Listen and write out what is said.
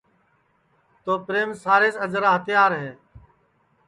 تو پریم سارے سے اجرا ہتیار ہے